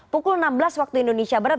pukul enam belas waktu indonesia barat